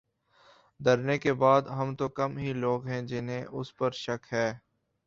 دھرنے کے بعد تو کم ہی لوگ ہیں جنہیں اس پر شک ہے۔